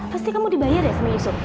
pasti kamu dibayar ya semi yusuf